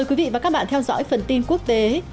quý vị và các bạn theo dõi phần tin quốc tế